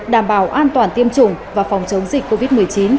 đảm bảo an toàn tiêm chủng và phòng chống dịch covid một mươi chín